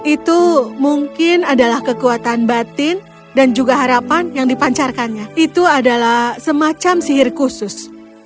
itu mungkin adalah kekuatan batin dan juga harapan yang dipancarkannya itu adalah semacam sihir khusus